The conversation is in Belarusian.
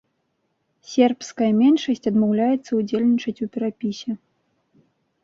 Сербская меншасць адмаўляецца ўдзельнічаць у перапісе.